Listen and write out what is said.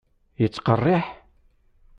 Yettqerriḥ?